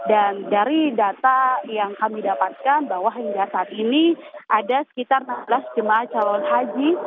dan dari data yang kami dapatkan bahwa hingga saat ini ada sekitar enam belas jemaah calon haji